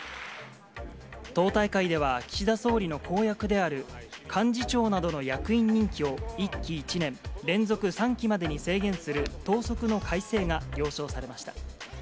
党大会では、岸田総理の公約である、幹事長などの役員任期を１期１年、連続３期までに制限する党則の改正が了承されました。